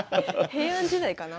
平安時代かな？